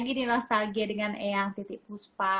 lagi di nostalgia dengan eyang titik puspa